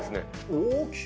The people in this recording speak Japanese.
大きい。